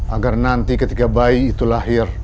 agar nanti ketika bayi itu lahir